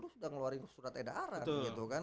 sudah ngeluarin surat eda arah gitu kan